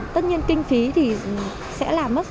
tất nhiên kinh phí thì sẽ làm mất